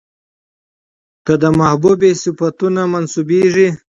که د محبوبې صفتونه منسوبېږي،